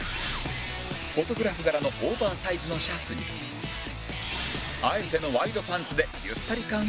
フォトグラフ柄のオーバーサイズのシャツにあえてのワイドパンツでゆったり感を演出